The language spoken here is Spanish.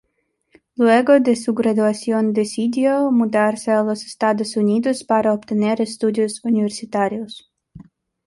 Luego de su graduación decidió mudarse a los Estados Unidos para obtener estudios universitarios.